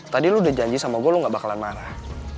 tadi lu udah janji sama gua lu gak bakalan marah